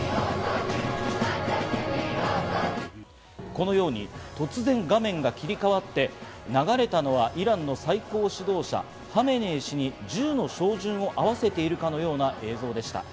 このように突然、画面が切り替わって、流れたのはイランの最高指導者・ハメネイ師に銃の照準を合わせているかのような映像でした。